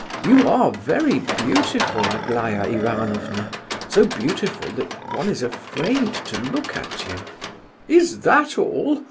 You are very beautiful, Aglaya Ivanovna, so beautiful that one is afraid to look at you." "Is that all?